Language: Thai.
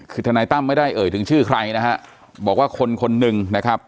คือทนายตั้มไม่ได้เอ่ยถึงชื่อใครนะฮะบอกว่าคนคนหนึ่งนะครับ